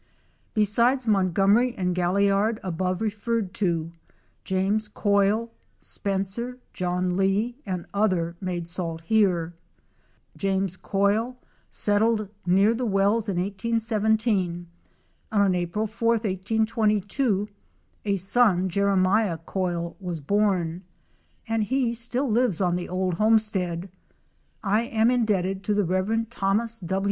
Besides Montgomery and Galliard above referred to, James Coyle, Spencer, John Lee, and other made salt here. James Coyle settled near the wells in 1817, and on April 4, 1822, a son, Jeremiah Coyle, was born, and he still lives on the old homestead. I am in debted to the Rev. Thos.